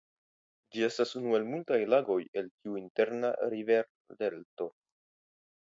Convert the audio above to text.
Ĝi estas unu el multaj lagoj el tiu interna riverdelto.